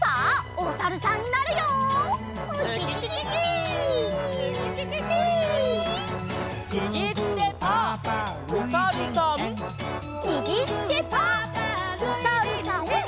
おさるさん。